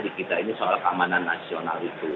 di kita ini soal keamanan nasional itu